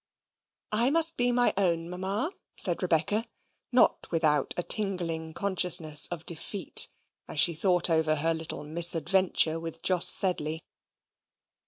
"I must be my own mamma," said Rebecca; not without a tingling consciousness of defeat, as she thought over her little misadventure with Jos Sedley.